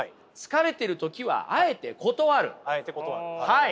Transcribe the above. はい。